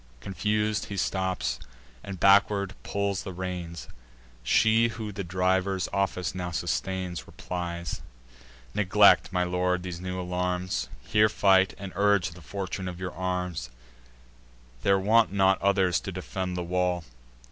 Confus'd, he stops, and backward pulls the reins. She who the driver's office now sustains, Replies: "Neglect, my lord, these new alarms; Here fight, and urge the fortune of your arms: There want not others to defend the wall.